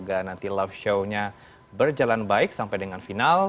dan nanti live show nya berjalan baik sampai dengan final